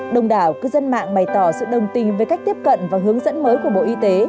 đồng đảo cư dân mạng bày tỏ sự đồng tình với cách tiếp cận và hướng dẫn mới của bộ y tế